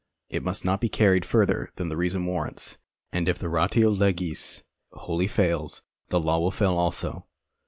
It must not be carried further than this reason warrants, and if the ratio legis wholly fails, the law will fail also.